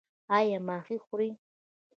ایا ماهي خورئ؟